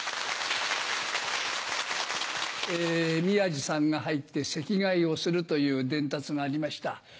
宮治さんが入って席替えをするという伝達がありました。